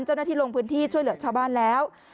เจ้าหน้าที่ลงพื้นที่ช่วยเหลือชาวบ้านแล้ว